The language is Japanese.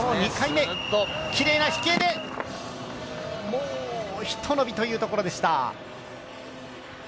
きれいな飛型で、もうひと延びというところでした。